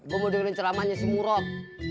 gua mau dengerin ceramahnya si murok